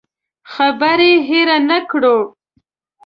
خبره هېره نه کړو.